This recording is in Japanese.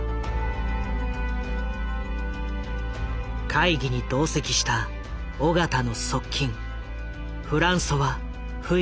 会議に同席した緒方の側近フランソワ・フイナ。